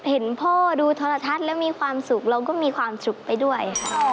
เห็นพ่อดูโทรทัศน์แล้วมีความสุขเราก็มีความสุขไปด้วยค่ะ